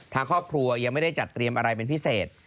ทางครอบครัวยังไม่ได้จัดเตรียมอะไรเป็นพิเศษ